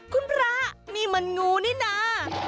คุณพระนี่มันงูนี่นะ